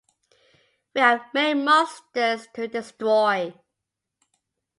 We have many monsters to destroy.